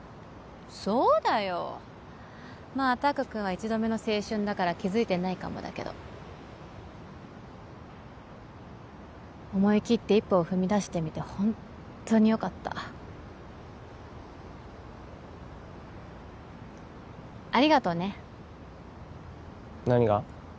そうだよまあ拓くんは一度目の青春だから気づいてないかもだけど思い切って一歩を踏み出してみてホントによかったありがとね何が？